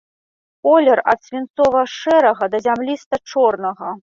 Колер ад свінцова-шэрага да зямліста-чорнага.